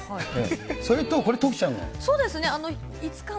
それとこれは徳ちゃんの。